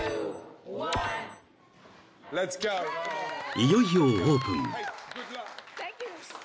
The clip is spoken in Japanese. ［いよいよオープン］